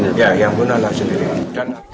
ya yang bunuh nanti sendiri